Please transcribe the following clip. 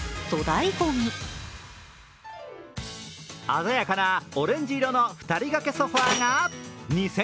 鮮やかなオレンジ色の二人がけソファーが２０００円。